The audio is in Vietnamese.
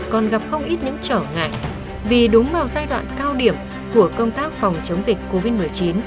còn gặp không ít những trở ngại vì đúng vào giai đoạn cao điểm của công tác phòng chống dịch covid một mươi chín